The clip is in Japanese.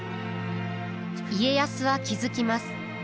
家康は気付きます。